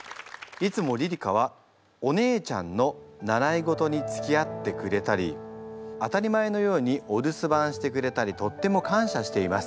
いつもりり花はお姉ちゃんの習い事につきあってくれたり当たり前のようにお留守番してくれたりとってもかんしゃしています。